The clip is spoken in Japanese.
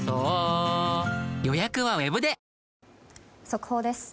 速報です。